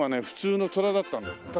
普通のトラだったんだよ。